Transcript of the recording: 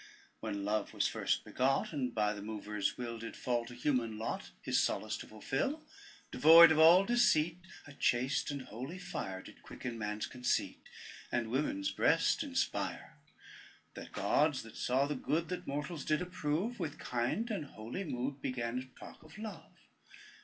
When Love was first begot, And by the mover's will Did fall to human lot His solace to fulfil, Devoid of all deceit, A chaste and holy fire Did quicken man's conceit, And women's breast inspire. The gods that saw the good That mortals did approve, With kind and holy mood Began to talk of Love.